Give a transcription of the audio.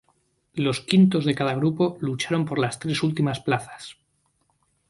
Los quintos de cada grupo lucharon por las tres últimas plazas.